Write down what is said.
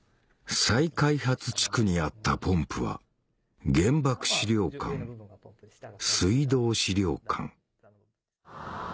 再開発地区にあったポンプは原爆資料館水道資料館